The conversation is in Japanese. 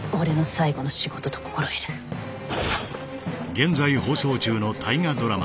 現在放送中の大河ドラマ